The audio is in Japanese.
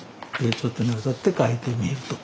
ちょっとにわたって書いてみえると。